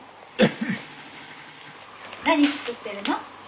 何作ってるの？